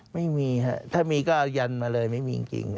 ไม่มีครับถ้ามีก็ยันมาเลยไม่มีจริง